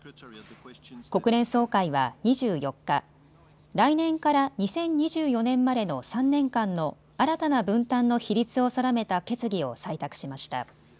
国連総会は２４日、来年から２０２４年までの３年間の新たな分担の比率を定めた決議を採択しました。